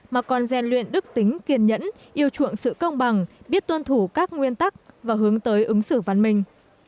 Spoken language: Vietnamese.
mà còn rèn luyện đức tính kiên nhẫn yêu chuộng sự công bằng biết tuân thủ các nguyên tắc và hướng tới ứng xử văn minh